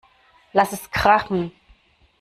Lasst es krachen!